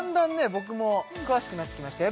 僕も詳しくなってきましたよ